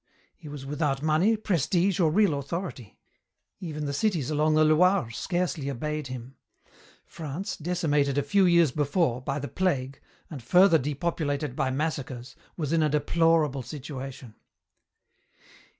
He was without money, prestige, or real authority. Even the cities along the Loire scarcely obeyed him. France, decimated a few years before, by the plague, and further depopulated by massacres, was in a deplorable situation.